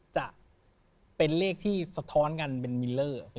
จะเป็นเลขที่สะท้อนกันเป็นมิลเลอร์